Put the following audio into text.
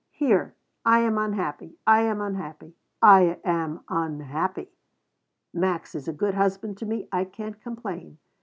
Here. I am unhappy, I am unhappy, I am unhappy. Max is a good husband to me. I can't complain.